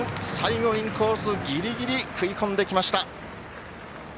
最後、インコースギリギリ食い込んできました。